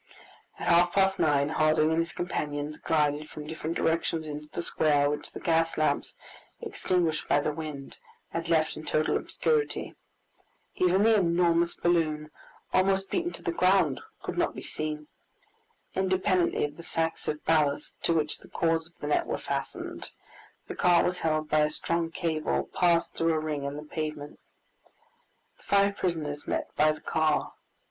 At half past nine, Harding and his companions glided from different directions into the square, which the gas lamps, extinguished by the wind, had left in total obscurity. Even the enormous balloon, almost beaten to the ground, could not be seen. Independently of the sacks of ballast, to which the cords of the net were fastened, the car was held by a strong cable passed through a ring in the pavement. The five prisoners met by the car.